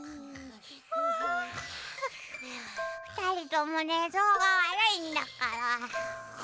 はあふたりともねぞうがわるいんだから。